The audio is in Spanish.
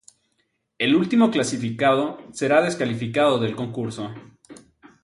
El último clasificado será descalificado del concurso.